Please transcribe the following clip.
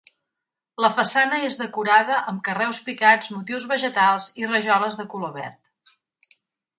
La façana és decorada amb carreus picats, motius vegetals i rajoles de color verd.